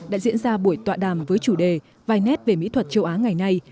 đã diễn ra buổi tọa đàm với chủ đề vài nét về mỹ thuật châu á ngày nay